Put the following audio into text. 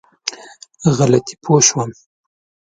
غلطي پوه شوم.